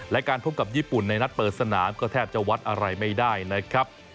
และการพบกับญี่ปุ่นในนัดเปิดสนามก็แทบจะวัดอะไรไม่ได้นะครับ